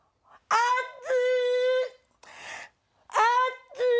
あっつ‼